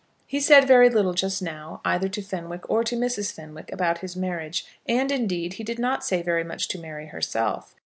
He said very little just now either to Fenwick or to Mrs. Fenwick about his marriage; and, indeed, he did not say very much to Mary herself.